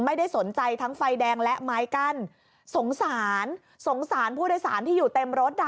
ไม่ได้สนใจทั้งไฟแดงและไม้กั้นสงสารสงสารผู้โดยสารที่อยู่เต็มรถอ่ะ